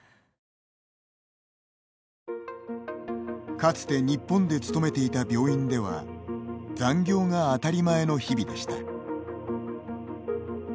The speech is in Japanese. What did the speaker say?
かつて日本で勤めていた病院では残業が当たり前の日々でした。